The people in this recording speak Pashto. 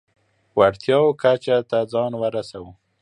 وړتیاوو کچه ته ځان ورسوو.